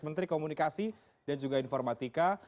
menteri komunikasi dan juga informatika